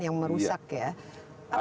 yang merusak ya apa kira kira